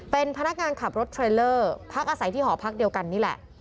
เป็นพนักงานขับรถเทรลเลอร์พักอาศัยที่หอพักเดียวกันนี่แหละ